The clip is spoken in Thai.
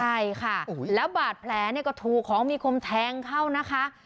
ใช่ค่ะแล้วบาดแผลก็ถูกมีคมแทงเข้านะคะ